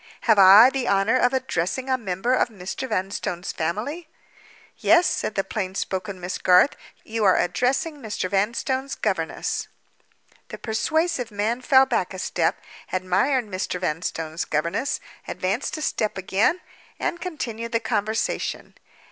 "Have I the honor of addressing a member of Mr. Vanstone's family?" "Yes," said the plain spoken Miss Garth. "You are addressing Mr. Vanstone's governess." The persuasive man fell back a step—admired Mr. Vanstone's governess—advanced a step again—and continued the conversation.